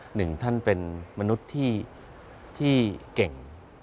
หนึ่งท่านเป็นมนุษย์ที่เก่ง